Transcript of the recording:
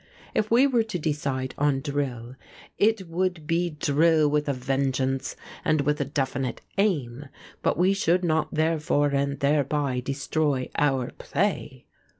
If we were to decide on drill it would be drill with a vengeance and with a definite aim; but we should not therefore and thereby destroy our play.